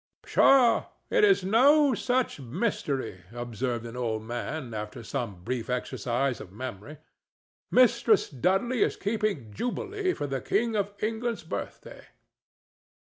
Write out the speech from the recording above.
"Pshaw! It is no such mystery," observed an old man, after some brief exercise of memory. "Mistress Dudley is keeping jubilee for the king of England's birthday."